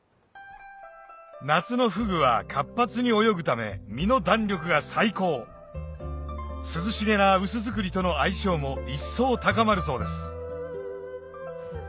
夏のフグは活発に泳ぐため身の弾力が最高涼しげな薄造りとの相性も一層高まるそうです